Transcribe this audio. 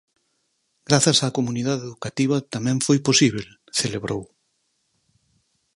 Grazas á comunidade educativa tamén foi posíbel, celebrou.